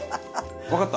わかった？